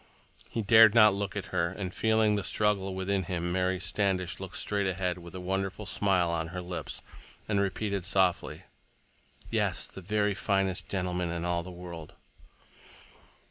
He dared not look at her, and feeling the struggle within him Mary Standish looked straight ahead with a wonderful smile on her lips and repeated softly, "Yes, the very finest gentleman in all the world!"